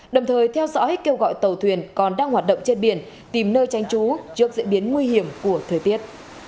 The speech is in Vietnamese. đồng thời theo dõi kêu gọi tàu thuyền còn đang hoạt động trên biển tìm nơi tranh trú trước diễn biến nguy hiểm của thời tiết